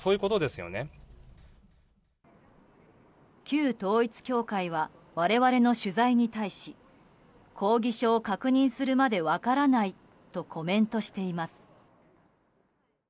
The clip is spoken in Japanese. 旧統一教会は我々の取材に対し抗議書を確認するまで分からないとコメントしています。